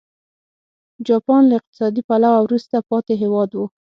جاپان له اقتصادي پلوه وروسته پاتې هېواد و.